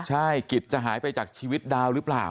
ใช่กิจจะหายไปจากชีวิตดาวหรือเปล่า